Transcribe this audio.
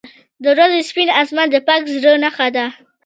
• د ورځې سپین آسمان د پاک زړه نښه ده.